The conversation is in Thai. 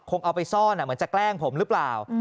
เอาไปซ่อนเหมือนจะแกล้งผมหรือเปล่า